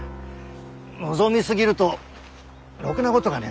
望み過ぎるとろくなことがねえんだよ。